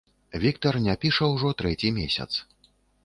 Віктар не піша ўжо трэці месяц.